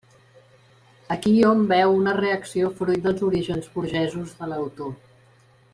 Aquí hom veu una reacció fruit dels orígens burgesos de l'autor.